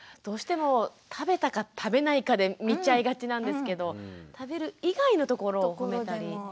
どうしても食べたか食べないかで見ちゃいがちなんですけど食べる以外のところをほめたり。